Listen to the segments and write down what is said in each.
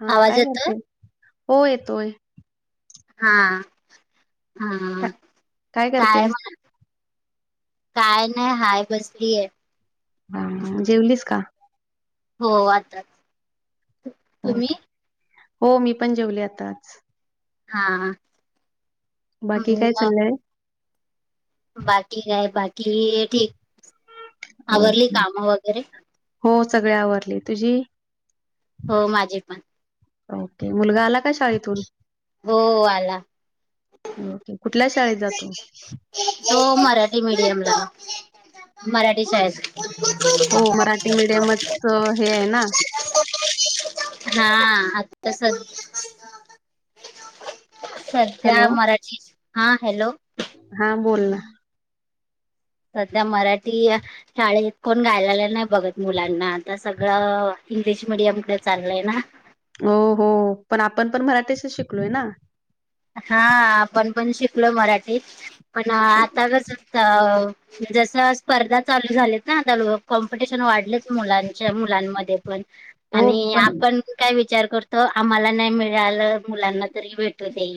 हा आवाज काय येतोय? करतोय? हो येतोय. हा हा. का- काय म. काय नाय, हाय, बसलीय. हा, जेवलीस का? हो, आताच. हो. मी पण जेवले. आताच. हा. बाकी, हम्म, काय मग चाललंय? बाकी काय, बाकी हे ठीक. आवरली ओके कामं वगैरे. हो. सगळे आवरले. तुझी? हो. माझी पण. ओके. मुलगा आला का? शाळेतून. हो आला ओके. कुठल्या शाळेत जातो? तो, मराठी मीडियमला. मराठी शाळेत. हो मराठी मिडियम च हे आहे ना. हा. आता स सध्या, हॅलो. मराठी हा हॅलो. हा, बोल ना. सध्या मराठी शाळेत कोण घालायला नाही बघत मुलांना. आता सगळं इंग्लिश मिडियम कडे चाललंय ना. हो हो. पण आपण पण मराठीच शिकलोय ना. हा, आपण पण शिकलो मराठीत पण आता कस जस स्पर्धा चालू झाले ना आता, कॉम्पिटिशन वाढलेच मुलांच्या,, मुलांमध्ये पण. हो आणि पण आपण काय विचार करतो, आम्हाला नाही मिळालं, मुलांना तरी भेटू दे.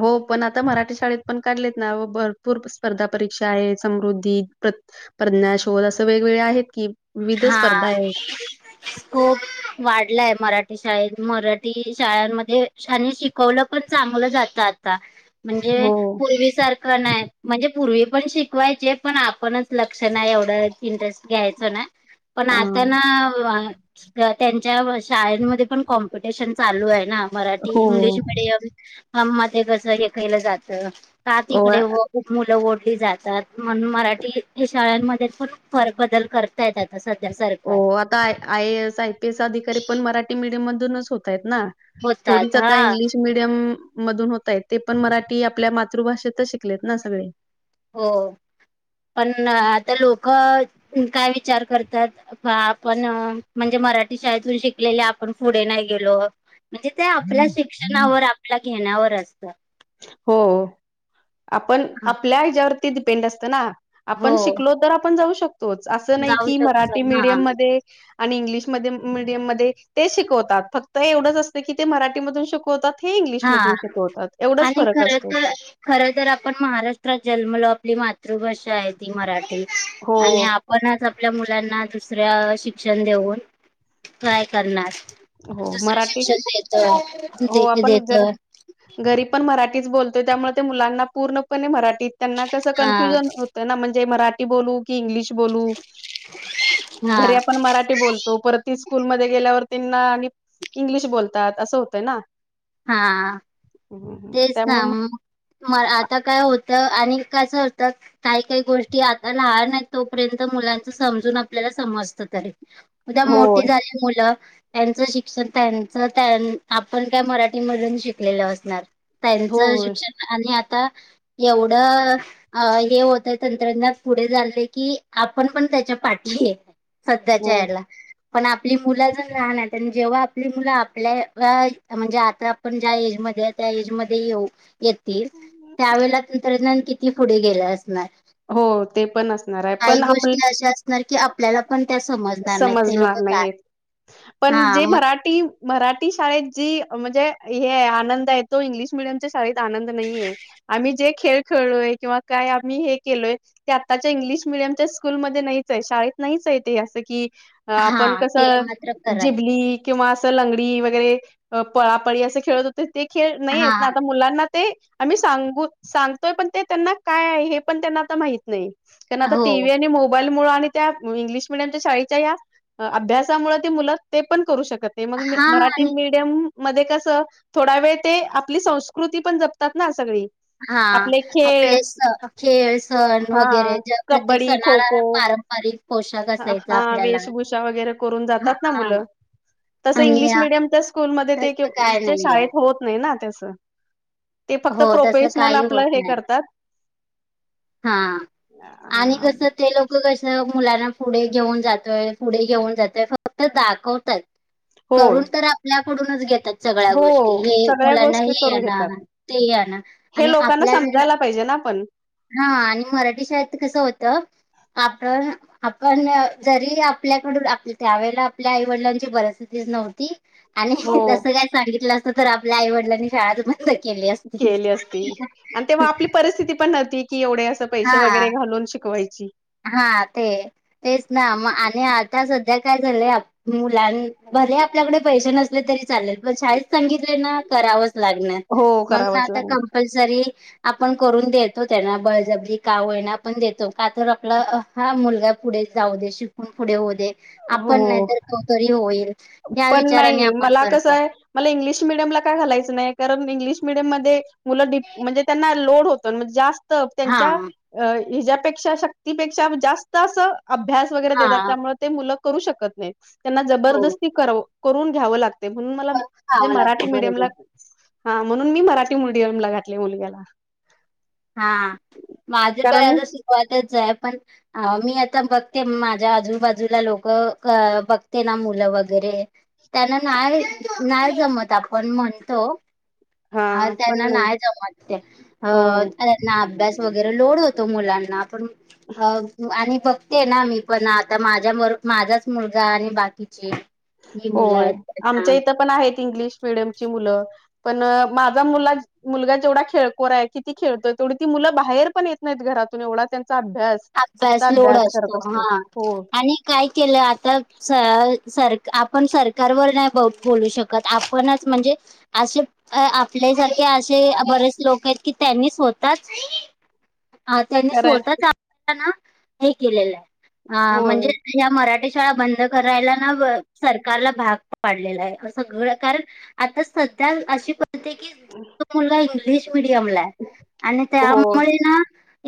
हो, पण आता मराठी शाळेत पण, काढलेत ना, भरपूर स्पर्धा परीक्षा आहे, समृद्धी. प्रज्ञा शोध, असं वेगवेगळे आहेत की. विविध हा. स्पर्धा आहे. खोप वाढलाय मराठी शाळेत, मराठी शाळांमध्ये आणि शिक वल पण चांगलं जात आता, म्हणजे हो पूर्वी सार ख नाही, म्हणजे पूर्वी पण शिकवायचे, पण आपणच लक्ष नाही, एवढं इंटरेस्ट घ्यायचो नाही. पण अ, आता ना, त्यांच्या शाळमध्ये पण कॉम्पिटिशन चालू आहे ना, मराठी, हो. English, medium. [unintelligible] कस हे केलं जात, का ओ तिकडे- खूप मुलं ओढली जातात, म्हणून मराठी शाळांमध्ये पण फार बदल करतात. [unintelligible] सध्या ओ सरकार आता I A S, I P S अधिकारी पण मराठी मीडियम मधूनच होत आहेत ना. होतात थोडीच हा आता इंग्लिश मीडि यम मधून होतात. ते पण मराठी आपल्या मातृभाषेतच शिकलेत ना? सगळे. हो. पण आता लोक काय विचार करतात. ह आपण म्हणजे मराठी शाळेतून शिकलेले, आपण पुढे नाही गेलो. म्हणजे ते आपल्या शिक्षणावर, आपल्या घेण्यावर असतं. हो. आपण, आपल्या हयाच्यावरती डिपेंड असतं ना. हो आपण शिकलो तर, आपण जाऊ शकतोच, असं नाही जाऊ की, शकतो मराठी हा मीडियम मध्ये आणि इंग्लिशमध्ये मीडियम मध्ये ते शिकवतात. फक्त एवढंच असतं की ते मराठीमधून शिकवतात. हे इंग्लिश हा मधून शिकवतात. एवढाच आणि फरक खर असतो. तर खर तर आपण महाराष्ट्रात जन्मलो आपली मातृभाषा आहे ती मराठी आणि हो, आपण आज आपल्या मुलांना, दुसऱ्या शिक्षण देऊन ट्राय करणार हो. दुसरं मराठी शिक्षण हो देत आपण देत- घ घरी पण मराठीच बोलतोय त्यामुळे ते मुलांना पूर्णपणे मराठीत त्यांना कसं हा कन्फ्युजन होतं ना म्हणजे मराठी बोलू की इंग्लिश बोलु हा घरी आपण मराठी बोलतो तर स्कूलमध्ये गेल्यावर त्यांना आणि इंग्लिश बोलतात असं होतंय ना हा हं, हं. तेच त्यामुळे ना मग म आता काय होतं आणि कसं होतं काही काही गोष्टी आता लहान आहेत तोपर्यंत मुलांच समजून आपल्याला समजत त उद्या मोठे होय झाले मुलं त्यांचं शिक्षण त्यांच आपण काय मराठी मधून शिकलेलं असणार त्यांचं होय शिक्षण आणि आता एवढ अ हे होतय तंत्रज्ञान पुढे झालं की आपण पण त्याच्या पाठीशी हो सध्याच्या याला पण आपली मुलं अजुण राहणार आणि जेव्हा आपली मुलं आपल्या म्हणजे ज त्याज ये ये त्यावे तंत्रजान क ती पुढे गेल्या असणार हो ते पण असणार आहे काही पण आपलं गोष्टी अशा की आपल्याला पण त्या समजणार नाही ते लोक समजणार काय नाही पण हा जे म मराठी मराठी शाळेत जी म्हणजे हे आनंद आहे तो इंग्लिश मिीडियमच्या शाळेत आनंद नाही आहे आम्ही जे खेळ खेळलोय किंवा काय आम्ही हे केलोय ते आत्ताच्या इंग्लिश मिडियमच्या स्कूलमध्येध्ये नाहीच आहे शाळेत नाहीच आहे ते असं कि आपण हां, ते कसं मात्र खरं आहे. जिबली किंवा असं लंगडी वगैरे पळापळी असे खेळत होते ते खेळ नाही आहेतेत ना हां, आता मुलांना ते आम्ही सांगू सांगतोय पण ते त्यांना काय आहे हे पण त्यांना आता माहत नाही कारण आता हो. टीव्ही आणि मोबाईल मु आणि त्या इंग्लिश मिीडियम शा अभ पण करू शक हां मराठी आणि मध्ये कस थोडा वेळ ते आपली संस्कृती पण जपतात ना सगळी हा आपले खेळ आपले स खेळ सण हा वगैरे ज प्रत्येक कबड्डी खो सणाला खो पार हा वेशभूषा वगैरे करून जातात ना हां मुलं तसं आणि इंग्लिश अ, मिीडियमच्या स्कूलमध्ये तसं काय ते नाहीये. शाळेत होत नाही ना त्यास ते फक्त हो, तसं प्रोफेशनल काही होत आपलं हे करतात हा आणि कस ते लो कसं मुलांना पुढे घेऊन जातोय पुढे घेऊन जातोय फक्त दाखवतात हो करून तर आपल्याकडूनच घेतात सगळ्या हो गोष्टी हे सगळ्या मुलांना गोष्टी हे आहे करून ना घेतात ते आहे ना हे आणि लोकांना आपल्या व समजायला पाहिजे ना पण हा आणि मराठी शाळेत कसं होतं आपण आपण जरी आपल्याकडून आप त्यावेेळेला आपल्या आई वडिलांची परिस्थितीच नव्हती आणि हो जसं काय सांगितलं असतं तर आपल्या आई वडिलांनी शाळा तुम केली असती आणि तेव्हा आपली परिस्थिती पण होती की एवढे असं पैसे हा वगैरे घालून शिकवायची हा ते तेच ना मग आणि आता सध्या काय झालंय मुलां भर आपल्याकडे पैसे नसले तरी चालेल पण शाळेत सांगितले ना करावंच लागणार हो म्हण करावंच आता लागणार. कप री आपण करून देतो त्यांना बळजबरी काव येना पण देतो का आपला हा मुलगा पुढे जाऊ दे शिकून पुढे होऊ दे आपण हो नाहीतर क तरी होईल या पण विचाराने नाई, आपण मला कसं करतो ए मला इंग्लिश मिडियमला का घालायचं नाही कारण इंग्लिश मिडियम मध्ये मुलं ड म्हणज त्यांना लोड होतो णजे जा हा त्यांच्या हेच्यापेक्षा शक्तीपेक्षा जास्त असं अभ्यास वगरे हा देतात, त्यामुळं ते मुलं करू शकतात ते. त्यांना हो जबरदस करून घ्यावं लागतंय म्हणून मला करून म्हजे खावं मराठी लागतं मिडीयमला बरोबर हा म्हणून मी मराठी मडियमला घातले मुलग्याला हा माझे प कारण आता सुरुवातच आहे पण अ मी आता बघते माझ्या आजूबाजूला लोक बघते ना मुलं वगैरे त्यांना नाही नाही जमत आपण म्हणतो हा त्यांना नाही जमतते अ हो त्यांना अभ्यास वगरे लोड होतो मुलांना पण अ आणि बघ ते ना मी पण आता माझ्या बर माझाच मुलगा आणि बाकीचे जी मुलं होय. आहेत आमच्या त्यांना इथं पण आहेत इंग्लिश मिडियमची मुलं. पण माझा मुला मुलगा जेवढा खेळकोर आहे की ती खेळतोय तेवढी ती मुलं बाहेर पण येत नाहीत घरातून एवढा त्यांचा अभ्यास फक्त अभ्यास लोड करत असतो हा.. हो आणि काय केलं आता स सर आपण सरकारवर नाई बोलू शकत. कद आपणच म्हणजे अशे आपल्यासारखे आशे बरेच लोक एत की त्यांनी स्वतःच अ त्यांनी करायला स्वतःच आपल्याला ना हे केलेलं ए अ म्हणजे होय ह्या मराठी शाळा बंद करायला ना सरकारला भाग पाडलेलं ए. सगळं कारण आता सध्या अशी परी की तो मुलगा इंग्लिश मिीडियमला ए. आणि हो त्यामुळे ना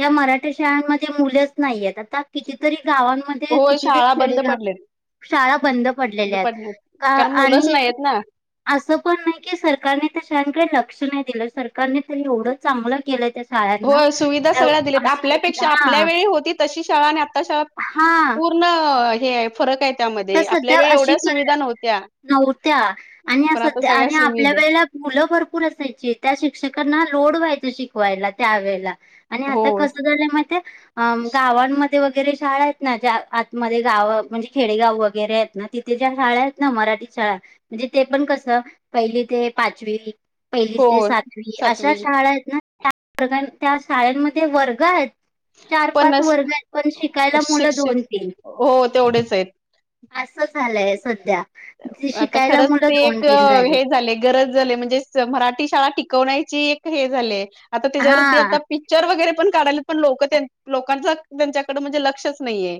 या मराठी शाळांमधे मुलेच नाहीयत. आता? कितीतरी गावांमध्ये होय कितीतरी शाळा बंद खेडेगाव पडलेत शाळा बंद पडलेल्या पडलेत त कारण मुलंच आणि नाहीयेत ना आसं पण नाई की सरकारने त्या शां कडे लक्ष नाही दिलं. सरकारने तरी एवढं चांगलं केलं त्या शाळांना होय. सुविधा हा सगळ्या दिलेत. आपल्यापेक्ष आपल्या वेळी होती तशी शाळा आन् आता शाळा हा पूर्ण हे आये फरक आए. तर सध्या अशी नव्हत्या आणि आ पण आता सध्या सगळ्या आणि आपल्या सुविधा वेळेला मुलं भरपूर असायची. त्या शिक्षकांना लोड व्हायचं शिकवायला त्यावेेळेला आणि हो आता कसं झालंय माइतेय? अ गावांमध्ये वगरे शाळा एत ना ज्या आतमध्ये गावं म्हणजी खेडेगाव वगरे एत ना, तिथे ज्या शाळा एत ना मराठी शाळा म्हणजे ते पण कसं, पहिली ते पाचवी पहिली हो, ते सातवी अशा शाळा एत ना त्या व त्या शाळांमध्ये वर्ग आहेत. चार पण पाच अश वर्ग आएत पण शिकायला मुलं शिक्षक दोन तीन हो.. तेवढेच आएत. आसं झालंय सध्या. जी आता शिकायला खरंच मुलं ते दोन एक तीन हे झाले गरज झालीय म्हणजे मराठी शाळा टीकवण्याची एक हे झालीये. आता त्याच्यावरती हा आता पीच चर वगरे पण काढाले पण लोकं लोकांच त्यांच्याकडे म्हणजे लक्षच नाहीये.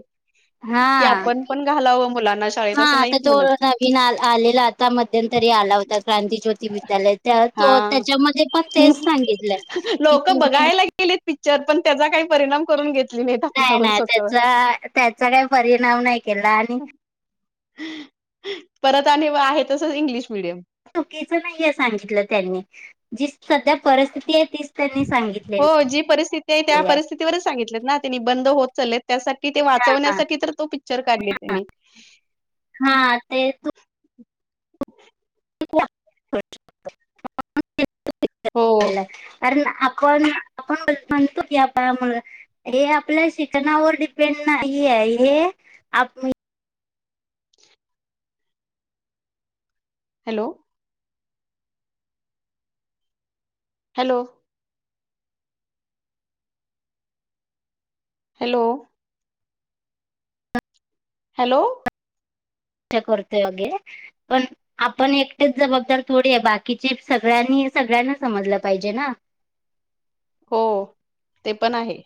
हा की आपण पण घालावं मुलांना श हा आता तो नवीन आ आलेला आता मध मध्यंतरी आला होता क्रांती ज्योती विद्यालय. त्या तो हां. त्याच्यामध्ये पण तेच सांगितलंय. की लोकं तुम्ही बघायला गेलीत पिक्चर पण त्याचा काही परिणाम करून घेतली नाहीत नाही आपल्यावर नाही स्वतःवर. त्याचा त्याचा काई परिणाम नाही केला आणि परत आणि व आहे तसंच इंग्लिश मीडियम चुकीचं नाहीये सांगितलं त्यांनी. जी सध्या परस्थिती ये तीच त्यांनी सांगितली. हो जी परिस्थिती त्या परिस्थितीवरच सांगितलेत तेनी बंद होत चालेत त्यासाठी ते हा वाचवण्यासाठी तर तो पिच्चर काढले त्यानी. हा.. ते हो अरे आ कोण आपण आपण म्हणतो की या पायामूळ. हे आपल्या शिकणावर डिपेंड नाही आहे हे आप हॅलो! हॅलो? हॅलो हॅलो ते करते योग्य पण आपण एकटेच जबाबदार थोडी आहे बाकीचे सगळ्यांनी सगळ्यांना समजलं पाहिजे ना. हो ते पण आहे.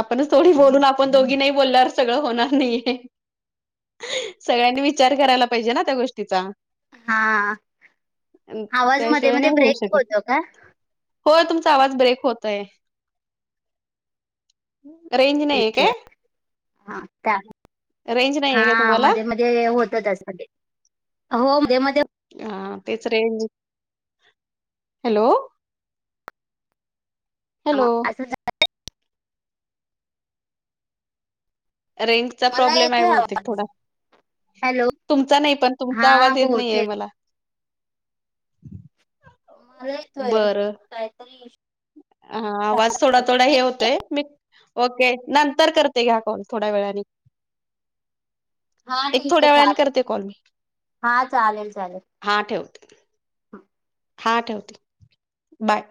आपणच थोडी बोलून आपण दोघी नाही बोलणार सगळं होणार नाही आहे. सगळ्यांनी विचार करायला पाहिजे ना त्या गोष्टीचा. हा अ, आवाज मध्ये त्याशिवाय मध्ये नाही होऊ ब्रेक शकत होतो का? हो तुमचा आवाज ब्रेक होतय. रेंज नाहीये विश काय रेंज नाहीये काय हा तुम्हाला मध्ये मध्ये जे होतं त्याच्यासाठी हो मध्ये मध्ये होतं. हा तेच रेंज हॅलो हॅलो ह अस झा रेंज चा मला प्रॉब्लेम आहे येतोय आवाज बहुतेक थोडा. हॅलो तुमचा नाही पण हा तुमचा आवाज येत नाहीे बहुतेक मला. ला येतोय काहीतरी इशू हा आवाज थोडा थोडा हे होतोय मी ओके नंतर करते घ्या कॉल थोड्या वेळानी. हा ठीक आहे थोड्या वेळाने चालेल करते कॉल हा चालेल चालेल. हा ठेवते. हा ठेवते बाय.